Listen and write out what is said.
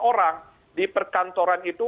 orang di perkantoran itu